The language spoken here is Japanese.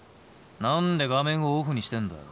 何で画面をオフにしてんだよ。